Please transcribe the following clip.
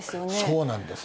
そうなんですね。